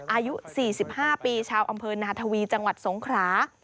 อายุ๔๕ปีชาวอำเภอนาธวีจังหวัดสงครา